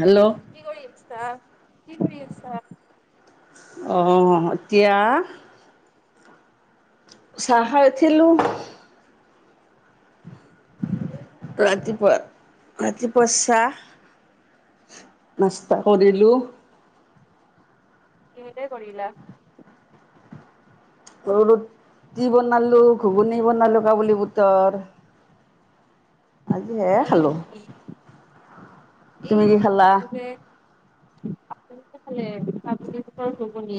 Hello, তাৰ কি কৰি আছা অহ, এতিয়া। চাহ, খাই উঠিলো। ৰাতিপুৱা, ৰাতিপুৱা চাহ নাষ্টা কৰিলোঁ কিহে কৰিলা। মই বোলো ৰুতি বনালো ঘুগুনী বনালো কাবুলী বুটৰ। আজি হে, হয় খালোঁ। নেকি? এই তুমি কি খালা উঠে আপুনি যে খালে, কাবুলী বুটৰ ঘুগুনী।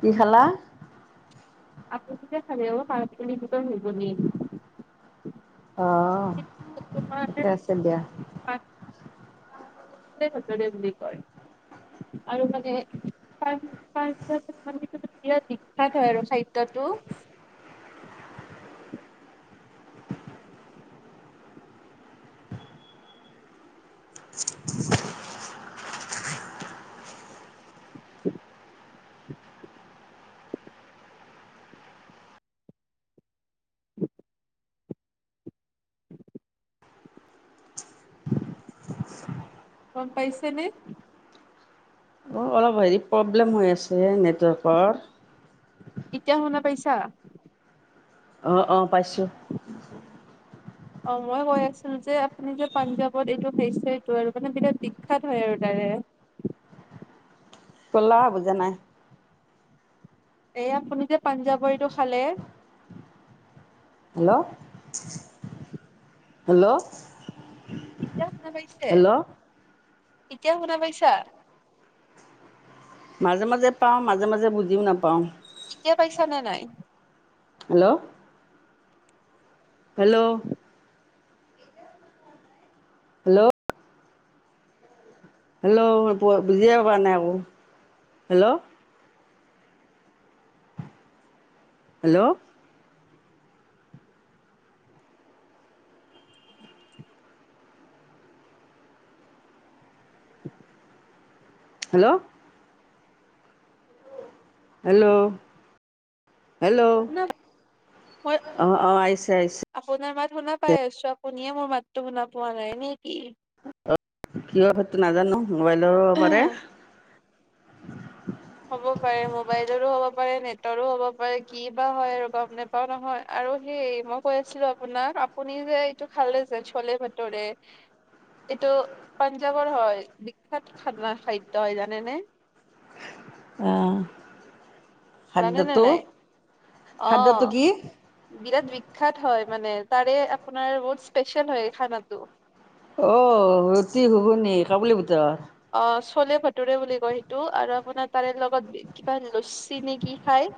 কি খালা? আপুনি যে খালে অ, কাবুলী বুটৰ ঘুগুনী। অ', [unintelligible] [unintelligible] কোনে কৈছে, যে বুলি আৰু মানে তাৰ, তাৰপিছত মনুহটো বিখ্যাত হয় আৰু খাদ্যটো। [inaudible] [inaudible] গম পাইছে নে? অ', অলপ হেৰি প্ৰব্লেম হৈ আছে নেটৱৰ্কৰ। এতিয়া শুনা পাইছা? অ', অ, পাইছোঁ। অ', মই কৈ আছো যে আপুনি যে পাঞ্জাৱত এইটো [unintelligible] আৰু মানে বিৰাট বিখ্যাত হয় আৰু তাত। [inaudible] কলা বুজা নাই। এই আপুনি যে পাঞ্জাৱৰ এইটো খালে। হেল্ল' হেল্ল' এতিয়া শুনা পাইছে? হেল্ল' এতিয়া শুনা পাইছা? মাজে মাজে পাওঁ মাজে মাজে বুজিও নাপাওঁ। এতিয়া পাইছা নে নাই? হেল্ল'। হেল্ল'। হেল্ল'। হেল্' বজিয়বা নে hello [inaudible] hello. Hello'' hello. Hello শুনা মই অ' অ' আহিছে আহিছে। আপোনাৰ মাত শুনা পাই আছো, আপুনিয়ে মোৰ মাতো শুনা পোৱা নাই নে কি? কি সটো নাজানো মোবাইলো পাৰে। হ'ব পাৰে মোবাইলৰো হ'ব পাৰে নেটৰো হ'ব পাৰে কি বা হয় আৰু গম নাপাও নহয়। আৰু সেই মই কৈ আছিলো আপোনাক আপুনি যে এইটো খালে যে চলে ভাতৰে এইটো পাঞ্জাৱৰ হয় বিখ্যাত খানা খাদ্য হয় জানেনে? অঁ। জানেনে নাই? খাদ্যটো কি অ' বিৰাট বিখ্যাত হয় মানে। তাৰে আপোনাৰ বহুত স্পেচিয়েল হয় খানাটো। অ' ৰুটি শুবনি খাবলৈ ভিতৰ [inaudible] অ চলে ভটোৰে বুলি কয় সেইটো আৰু আপোনাৰ তাৰে লগত কিবা লুচী নে কি খায়?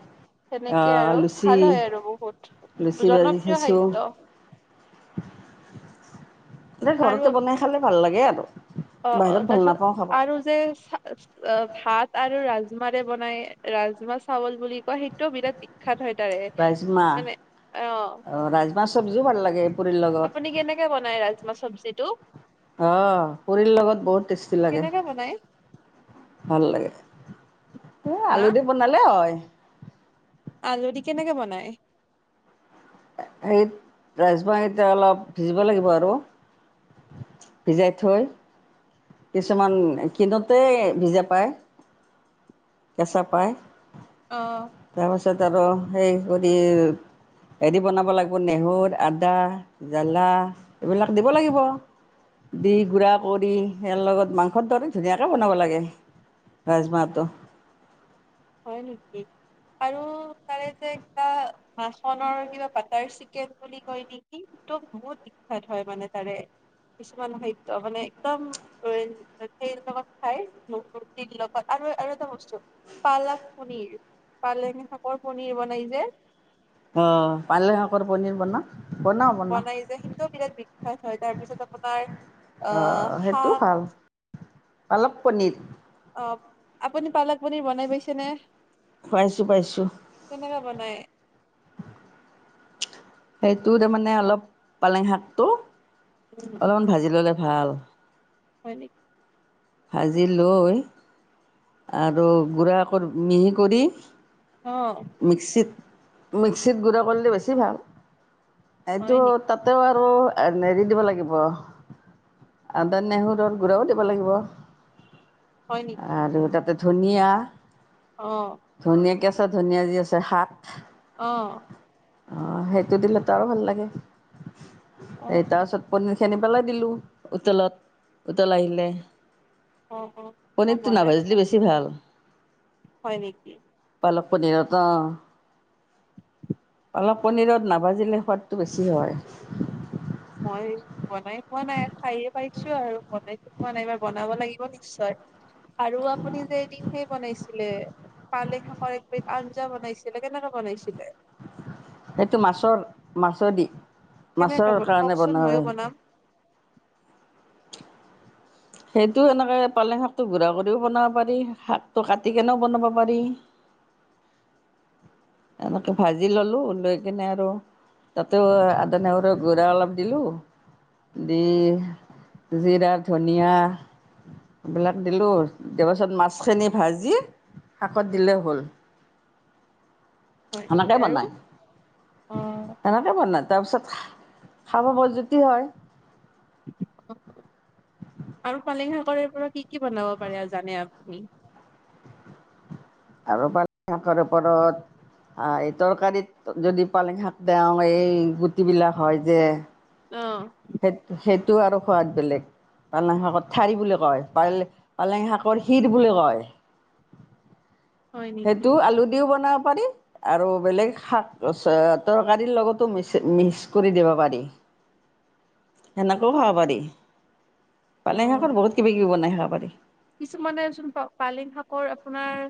সেনেকে আহ আৰু লুচি ভাল হয় আৰু বহুত লুচি ভাজি জনপ্ৰিয় খাইছোঁ খাদ্য। [unintelligible] দে আৰু ঘৰতে বনাই খালে ভাল লাগে আৰু। অ অ বাহিৰত ভাল তাৰিছত নাপাওঁ খাব আৰু যে অ, ভাত আৰু ৰাজমাৰে বনাই ৰাজমা চাউল বুলি কোৱা সেইটোও বিৰাট বিখ্যাত হয়। তাৰে ৰাজমাহ মানে অ, ৰাজমাহ চব্জিও ভাল লাগে পুৰি আপুনি কেনেকে বনাই ৰাজমাহ চব্জিটো? আহ পুৰিৰ লগত বহুত টেষ্টি লাগে। কেনেকে বনাই ভাল লাগে, এ হা আলু দি বনালে হয়। আলু দি কেনেকে বনাই? সেই ৰাজমাকেইটা অলপ ভিজিব লাগিব আৰু। ভিজাই থৈ কিছুমান কিনোতে ভিজা পায় কেঁচা পায়। অ', তাৰপাছত আৰু সেই কৰি, হেৰি বনাব লাগিব নেহৰু আদা জ্বালা এইবিলাক দিব লাগিব। দি গুড়া কৰি ইয়াৰ লগত মাংস দৰে ধুনীয়াকে বনাব লাগে। ৰাজমাটো। হয় নেকি? আৰু তাৰে যে কিবা বাচনৰ কিবা বাটাৰ চিকেন বুলি কয় নেকি? টো বহুত বিখ্যাত হয় মানে তাৰে। কিছুমান সত্য মানে একদম লগত খাই ৰুতিৰ লগত, আৰু আৰু এটা বস্তু পালক পনীৰ পালেং শাকৰ পনীৰ বনাই যে। অ, পালেং শাকৰ পনীৰ বনা। বনাই যে সেইটোও বিৰাট বিখ্যাত হয়, তাৰপিছত আপোনাৰ অঁ আহ, সেইটো ভাল শাক। পালক পনীৰ। আপুনি পালক পনীৰ বনাই পাইছে নে? পাইছোঁ পাইছোঁ। বনাই সেইটো তাৰ মানে অলপ, পালেং শাকটো, উম অলমান ভাজি ল'লে ভাল। হয় নি? ভাজি লৈ, আৰু গুড়া ক মিহি কৰি অ মিক্সিত, মিক্সিত গুড়া কৰলে বেছি ভাল। হয় এইটো নেকি তাতেও টো আহ হেৰিত দিব লাগিব, আদা, নেহুৰৰ গুড়াও দিব লাগিব। হয় নেকি আৰু তাতে ধনিয়া, অ ধনিয়া কে কেচা ধনিয়া যে আছে শাক। অ', অ', সেইটো দিলেতো আৰু ভাল লাগে, অ এই তাৰপিছত পনী [unintelligible] পেলাই দিলোঁ, উতলত, উতল আহিলে অ', অ', মই পনীৰটো বনাই নাভাজলে বেছি ভাল। হয় নেকি? পালক পনীৰত অ, অলপ পনিৰত নাভাজিলে সোৱাদটো বেছি হয়। মই বনাই পোৱা নাই খাই হে পাইছোঁ আৰু, বনাই পোৱা নাই এইবাৰ বনাব লাগিব নিশ্চয়। আৰু আপুনি যে নিজেই বনাইছ ছিলে, পালেক শাকৰ এক বিধ আঞ্জা বনাইছিলে, কেনেকে বনাইছিলে? সেইটো মাছৰ, মাছৰদি কেনেকে মাছৰ বনাই কাৰণে কওকচোন ময়ো বনাও। বনাম। সেইটো এনেকে পালেং শাকটো গুড়া কৰিও বনাব পাৰি, শাকটো কাটি কেনেও বনাব পাৰি। এনেকে ভাজি ল'লো, লৈ কিনে আৰু তাতে আদা নহৰুৰ গুড়া অলপ দিলো দি জিৰা- ধনীয়া এইবিলাক দিলো, দিয়াৰ পাছত মাছখিনি ভাজি শাকত দিলেও হ'ল। হয় নেকি সেনেকে আৰু বনাই অ', তেনেকে বনা তাৰপিছত খাব বৰ জুতি হয়। [unintelligible] আৰু পালেং শাকৰ পৰা কি কি বনাব পাৰে আৰু জানে আপুনি? আৰু পালেং শাকৰ ওপৰত আহ এই তৰকাৰীত যদি পালেং শাক দেও এই গুটিবিলাক হয় যে অ', সেই সেইটো আৰু সোৱাদ বেলেগ। পালেং শাকৰ ঠাৰি বুলি কয় পাল পালেং শাকৰ শিৰ বুলি কয়। হয় নেকি সেইটো আলু দিও বনাব পাৰি আৰু বেলেগ শাক তৰকাৰীৰ লগতো ম- মিক্স কৰি দিব পাৰি। এনেকেও খাব পাৰি। পালেং অ'। শাৰৰ বহুত কিবা কিবি বনাই খাব পাৰি। কিছুমানে চোন পালেং শাকৰ আপোনাৰ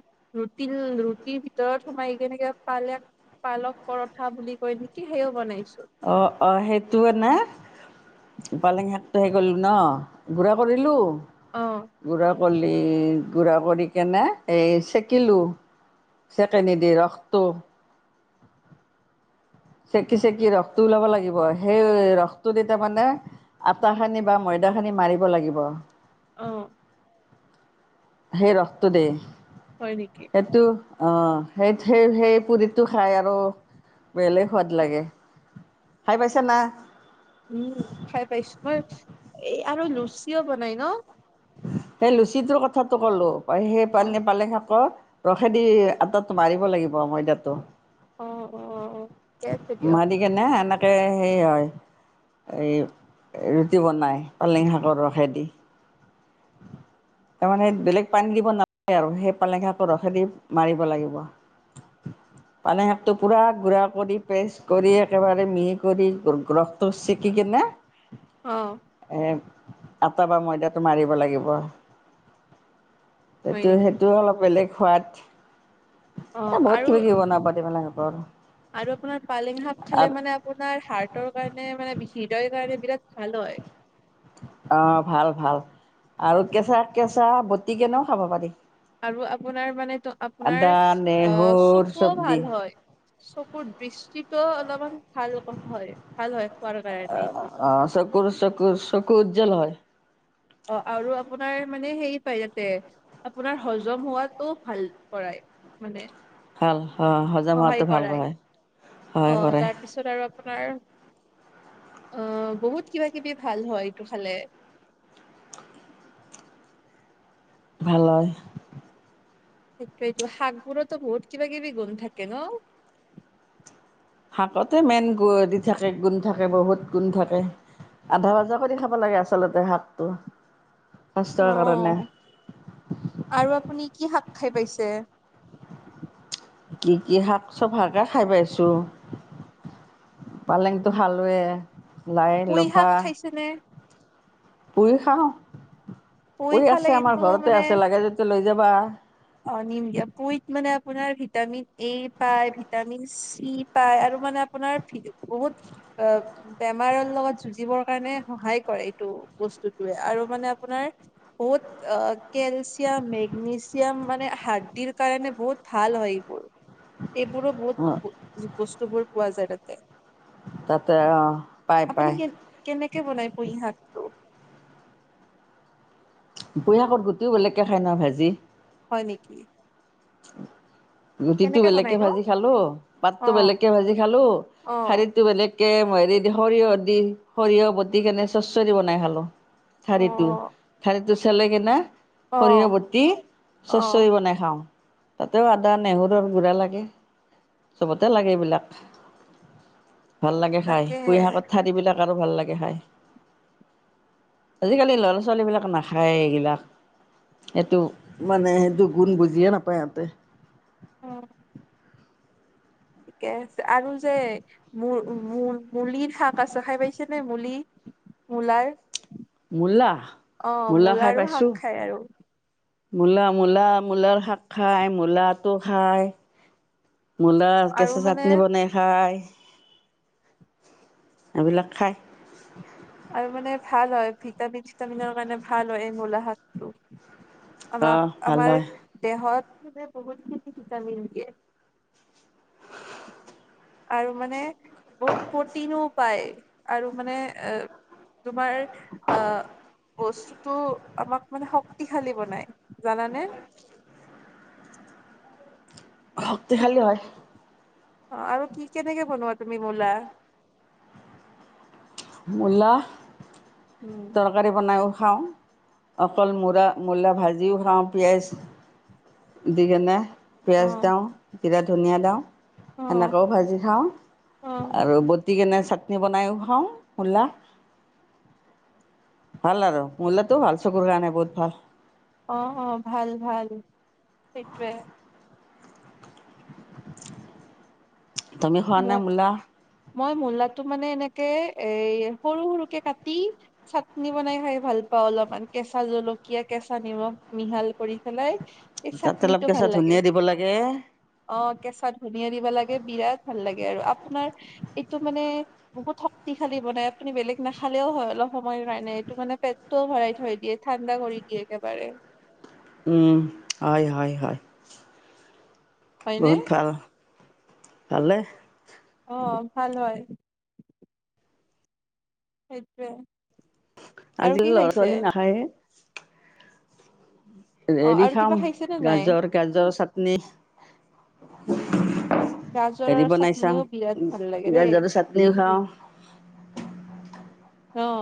ৰুটি ৰুটিৰ ভিতৰত সোমাই কে নি পালেক-পালক পৰঠা বুলি কয় নেকি সেইও বনাই অ', অ', সেই তোৱে ন পালেং শাকটো হেৰি কৰিলোঁ ন গুৰা কৰিলোঁ অ'। বাকলি গুড়া কৰি, কেনে এই চেকিলোঁ। চেকেনি দি ৰসটো। চেকি চেকি ৰসটো ওলাব লাগিব সেই ৰসটো দি তাৰ মানে আটা খানি বা ময়দা খানি মাৰিব লাগিব। অ ' সেই ৰসটো দি, হয় নেকি? এইটো অ', সেই, সেই, সেই পুৰিটো খাই আৰু বেলেগ সোৱাদ লাগে। খাই পাইছা না? উম, খাই পাইছোঁ মই, এই আৰু লুচিও বনাই ন? সেই লুচিটোৰ কথাটো ক'লো, পা-সেই অ', পালে-পালেং শাকৰ। ৰসেদি আটাতো মাৰিব লাগিব, ময়দাটো। অ, অ, অ, অ, ঠিকে আছে দিয়ক। মাৰি [unintelligible] এই ৰুটি বনাই পালেং শাকৰ ৰসেদি। তাৰমানে বেলেগ পানী দিব নালাগে, আৰু সেই পালেং শাকৰ ৰসেদি মাৰিব লাগিব। পালেং শাকটো পুৰা গুড়া কৰি, পেষ্ট কৰি, একেবাৰে মিহি কৰি ৰসটো চেকি কেনে অ', এ, আটা বা ময়দাটো মাৰি লাগিব। হয় সেইটো, নেকি? সেইটো অলপ বেলেগ সোৱাদ। এ, অ', বহুত আৰু কিবা কিবি বনাব [unintelligible] পালেং শাকৰ আৰু আপোনাৰ পালেং শাক খালে আৰু মানে আপোনাৰ হাৰ্টৰ কাৰণে মানে, হৃদয়ৰ কাৰণে বিৰাট ভাল হয়। অ' ভাল ভাল আৰু কেঁচা কেঁচা বতি কেনেও খাব পাৰি। আৰু আপোনাৰ মানে ত' আপোনাৰ আদা অ', নহৰু চকুও চব দি ভাল হয়। চকুৰ দৃষ্টিতটো অলপমান ভাল হয় ভাল হয়। খোৱাৰ কাৰণে এইটো অ' চকুৰ চকুৰ চকুৰ উজ্জ্বল হয়। অ' আৰু আপোনাৰ মানে হেৰি পায় তাতে আপোনাৰ হজম হোৱাতটো ভাল কৰাই। মানে ভাল অ', হজম হোৱাটো সহায় ভাল কৰাই হয়, সহায় অহ কৰে তাৰপিছত আৰু আমাৰ অহ বহুত কিবা কিবি ভাল হয় এইটো খালে। ভাল হয়। সেইটোয়ে শাকবোৰতো বহুত কিবা কিবি গুণ থাকে ন [inaudible] শাকতে মেইন গু দি থাকে গুন থাকে বহুত গুন থাকে। আধা ভাজা কৰি খাব লাগে আচলতে শাকটো। স্বাস্থ্যৰ কাৰণে। অ' আৰু আপুনি কি শাক খাই পাইছে [inaudible] কি কি শাক চব ভালকে খাই পাইছোঁ [inaudible] পালেংটো খালোৱে লাই, পুই লফা। শাক খাইছেনে পুই খাও পুই খালে আছে আমাৰ কিন্তু ঘৰতে মানে আছে লাগে যদি লৈ যাবা অ, নিম দিয়ক পুইত মানে আপোনাৰ ভিটামিন এ পায় ভিটামিন চি পায় আৰু মানে আপোনাৰ বহুত অ বেমাৰৰ লগত যুজিবৰ কাৰণে সহায় কৰে এইটো বস্তটোয়ে আৰু মানে আপোনাৰ বহুত কেলছিয়াম মেগনেছি মানে হাড্ডিৰ কাৰণে বহুত ভাল হয় এইবোৰ। এইবোৰো অ', বহুত বস্তুবোৰ পোৱা যায় তাত তাতে অহ পাই পাই [inaudible] কেনকে বনাই পুই শাসটো [inaudible] বুৰি শাকত গুটিও বেলেগকে খাই ন ভাজি হয় নেকি? [inaudible] ৰুটিটো কেনেকে বনাই বেলেগকে ন ভাজি খালো অ পাতটো বেলেগকে ভাজি খালো অ শাৰিটো বেলেগ কে হেৰি দি সৰিয়হ দি, সৰিয়হ বটি কেনে চচৰি বনাই খালো। অ ঠাৰীটো ঠাৰীটো চেলেগে না। অ সৰিয়হ বটি অ চচৰি বনাই খাওঁ তাতেও আদা নেহৰুৰ গুড়া লাগে চবতে লাগে এইবিলাক। ভাল লাগে খায় পুঁই তাকেহে শাকত ঠাৰিবিলাক আৰু ভাল লাগে খায়। আজিকালি ল'ৰা ছোৱালী বিলাক নাখায় এইগিলাক। সেইটো মানে দুষ গুণ বুজিয়ে নাপায় ইহঁতে। অ', ঠিকে আছে আৰু যে মূল - মূল মূলিৰ শাক আছে খাই পাইছে নে মূলি মূলাৰ মূলা অ মূলা খাই মূলাৰো শাক পাইছো। খায় আৰু মূলা মূলা মূলাৰ শাক খায় মূলাটো খায় মূলা আৰু কেচা মানে চাটনি বনাই খায়। এইবিলাক খাই আৰু মানে ভাল হয় ভিটামিন ছিটামিনৰ কাৰণে ভাল হয় এই মূলা শাকটো অঁ ভাল আমাক-আমাৰ হয় দেহত মানে বহুত খিনি ভিটামিন দিয়ে। আৰু মানে বহুত প্ৰটিনো পায় আৰু মানে এ। তোমাৰ আ বস্তুটো আমাক মানে শক্তিশালী বনাই, জানানে? [inaudible] শক্তিশালী হয়। অ' আৰু কি কেনেকে বনোৱা তুমি মূলা মূলা। উম তৰকাৰী বনাইও খাওঁ, অকল মূৰা-মূলা ভাজিও খাওঁ, পিঁয়াজ দি কেনে অ পিয়াজ দাওঁ জীৰা ধনিয়া দাওঁ অ সেনেকেও ভাজি খাওঁ অ আৰু বতি কেনে। চাটনি বনাইও খাওঁ মূলা, তা ভাল আৰু, মূলাটোও ভাল, চকুৰ কাৰণে বহুত ভাল। অ- অ ভাল ভাল সেইটোয়ে তুমি খোৱানে মই মূলা মই মূলাটো মানে এনে কে এই সৰু সৰুকে কাটি, চাটনি বনাই খাই ভাল পাওঁ অলপমান কেঁচা জলক কীয়া, কেঁচা নিমখ মিহাল কৰি পেলাই এই তাত অলপ চাটনিটো ভাল কেঁচা লাগে ধনিয়া দিব লাগে অ কেঁচা ধনিয়া দিবা লাগে বিৰাট। ভাল লাগে আৰু আপোনাৰ এইটো মানে বহুত শক্তিশালী বনাই আপুনি বেলেগ নাখালেও হয় অলপ। সময়ো নাই নে এইটো মানে পেটটোও ভৰাই থৈ দিয়ে, ঠাণ্ডা কৰি দিয়ে একেবাৰে। উম হয়- হয়- হয় হয়নে বহুত ভাল ভালে অ 'ভাল হয় সেইটোৱে আৰু কি আজিৰ ল'ৰা খাইছে ছোৱালী নাখায়ে। অ হেৰি আৰু কিবা খাম খাইছে নে নাই গাজৰ গাজৰ চাটনি গাজৰৰ হেৰি বনাই চাটনিও বিৰাট ভাল লাগে চাও দেই গাজৰৰ চাটনিও খাওঁ। [inaudible] অহ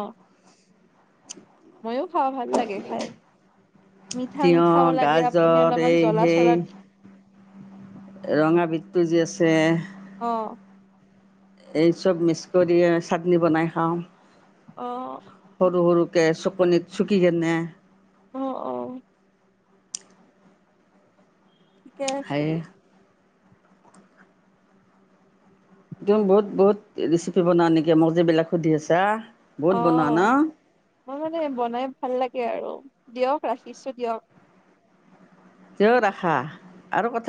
মইও খাও ভাল লাগে খাই। মিঠা তিয়হ মিঠাও লাগে আপুনি গাজৰ অলপমান এই জ্বলা সেই চলা ৰঙা বিদটো যি আছে। অঁ এই চব মিক্স কৰি এ, চাটনি বনাই খাওঁ। অঁ কে, চকণিত চুকি কিনে অহ অহ। ঠিকে আছে খায়ে দিয়া। তুমি বহুত, বহুত ৰেচিপি বনোৱা নেকি? মোক যিবিলাক সুধি আছা? বহুত বনোৱা ন অ' মই মানে বনাই ভাল লাগে আৰু দিয়ক ৰাখিছো দিয়ক। কিয় ৰাখা আৰু কথা